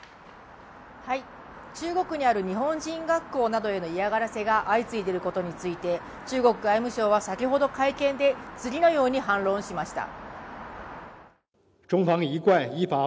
中国にある日本人学校などへの嫌がらせが相次いでいることについて中国外務省は先ほど会見を、次のように反論しました。